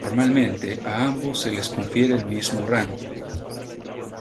Normalmente, a ambos se les confiere el mismo rango.